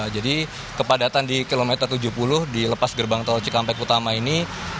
jadi kepadatan di km tujuh puluh di lepas gerbang tol cikampek utama ini